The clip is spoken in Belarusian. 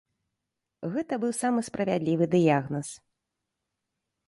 Гэта быў самы справядлівы дыягназ.